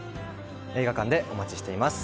映画館でお待ちしています。